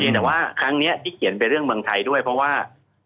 แต่ว่าครั้งนี้ที่เขียนเป็นเรื่องเมืองไทยด้วยเพราะว่า